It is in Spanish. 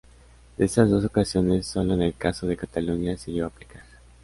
De estas dos ocasiones, solo en el caso de Cataluña se llegó a aplicar.